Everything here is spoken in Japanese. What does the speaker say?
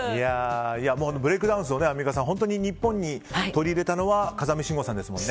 ブレークダンスを本当にアンミカさん日本に取り入れたのは風見しんごさんですもんね。